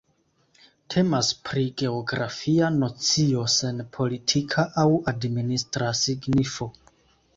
Temas pri geografia nocio sen politika aŭ administra signifo.